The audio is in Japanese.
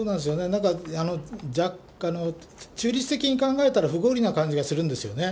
なんか、中立的に考えたら不合理な感じがするんですよね。